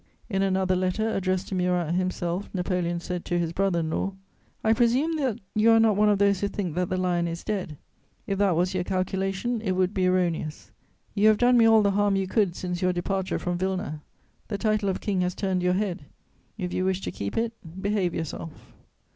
In another letter, addressed to Murat himself, Napoleon said to his brother in law: "I presume that you are not one of those who think that the lion is dead; if that was your calculation, it would be erroneous.... You have done me all the harm you could since your departure from Wilna. The title of King has turned your head; if you wish to keep it, behave yourself."